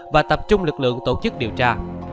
và tập trung lực lượng tổ chức điều tra